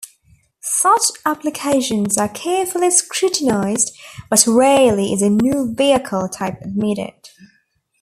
Such applications are carefully scrutinized, but rarely is a new vehicle type admitted.